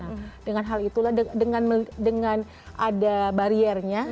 nah dengan hal itulah dengan ada bariernya